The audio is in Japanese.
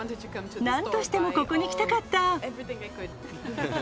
なんとしてもここに来たかった。